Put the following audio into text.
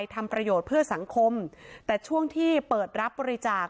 ทำประโยชน์เพื่อสังคมแต่ช่วงที่เปิดรับบริจาค